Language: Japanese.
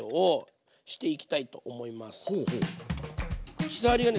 口触りがね